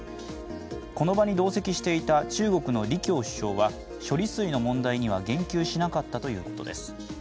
この場に同席していた中国の李強首相は処理水の問題には言及しなかったということです。